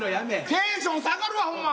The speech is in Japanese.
テンション下がるわほんま。